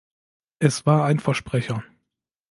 Es war ein Versprecher.